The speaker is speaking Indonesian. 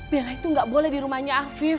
biarlah itu gak boleh di rumahnya afif